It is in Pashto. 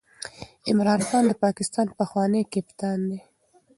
عمران خان د پاکستان پخوانی کپتان دئ.